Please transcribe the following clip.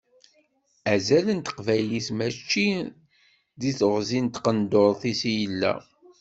Azal n teqbaylit mačči deg teɣzi n tqendurt-is i yella.